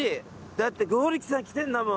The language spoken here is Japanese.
だって剛力さん来てんだもん。